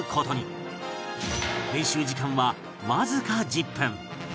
練習時間はわずか１０分